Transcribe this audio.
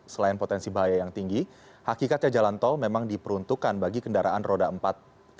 selain potensi bahaya yang tinggi hakikatnya jalan tol memang diperuntukkan bagi kendaraan roda empat